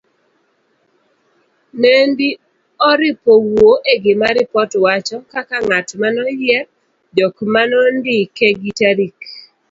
Nendi oripo wuo e gima ripot wacho ,kaka ngat manoyier, jok manondike gi tarik.